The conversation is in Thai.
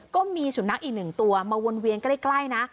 ก็มีสุนัขอีกหนึ่งตัวมาวนเวียนใกล้นะ